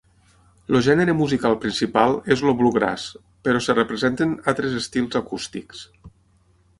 El gènere musical principal és el bluegrass, però es representen altres estils acústics.